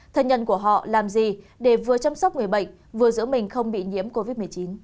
thân nhân của họ làm gì để vừa chăm sóc người bệnh vừa giữ mình không bị nhiễm covid một mươi chín